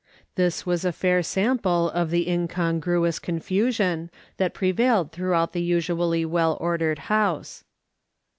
This is a fair sample of the incongruous confusions that prevailed throughout the usuall}' well ordered house.